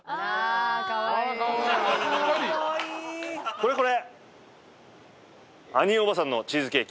これこれ。